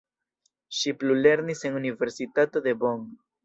Ŝi plulernis en universitato de Bonn.